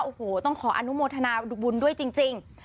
โอ้โหต้องขออนุโมทนาดุบุญด้วยจริง